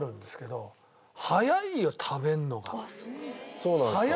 そうなんですか？